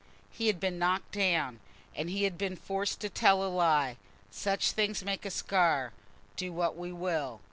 He had been knocked down, and he had been forced to tell a lie: such things make a scar, do what we will.